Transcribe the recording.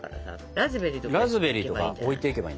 ラズベリーとか置いていけばいいんだな。